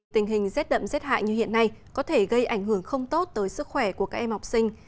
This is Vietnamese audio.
tình hình rét đậm rét hại như hiện nay có thể gây ảnh hưởng không tốt tới sức khỏe của các em học sinh